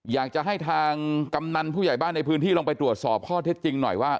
อยากจะให้ทางกำนันผู้ใหญ่บ้านในพื้นที่ลงไปตรวจสอบข้อเท็จจริงหน่อยว่า